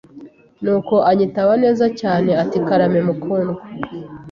nuko anyitaba neza cyane ati karame mukundwa